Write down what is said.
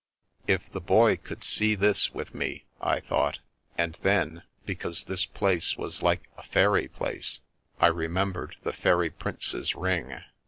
If the Boy could see this with me !" I thought And then, because this place was like a fairy place, I remembered the fairy prince's ring.